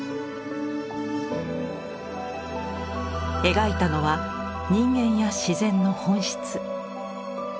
描いたのは人間や自然の本質。